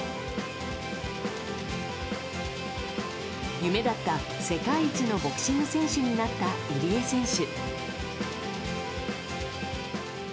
夢だった世界一のボクシング選手になった入江選手。